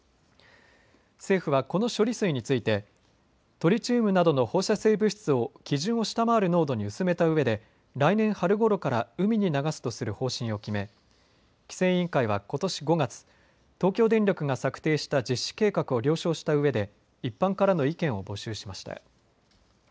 政府はこの処理水についてトリチウムなどの放射性物質を基準を下回る濃度に薄めたうえで来年春ごろから海に流すとする方針を決め規制委員会はことし５月、東京電力が策定した実施計画を了承したうえで一般からの意見を募集しました。